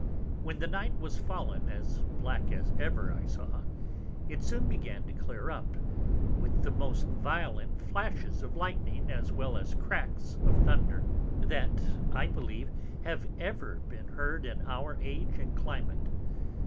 When the Night was fallen as black as ever I saw, it soon began to clear up, with the most violent Flashes of Lightning as well as Cracks of Thunder, that I believe have ever been heard in our Age and Climate.